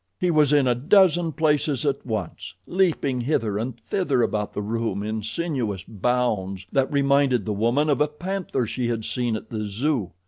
He was in a dozen places at once, leaping hither and thither about the room in sinuous bounds that reminded the woman of a panther she had seen at the zoo.